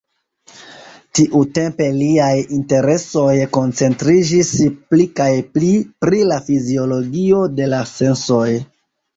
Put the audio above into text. Tiutempe liaj interesoj koncentriĝis pli kaj pli pri la fiziologio de la sensoj.